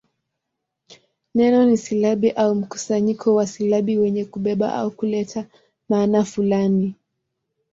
Neno ni silabi au mkusanyo wa silabi wenye kubeba au kuleta maana fulani.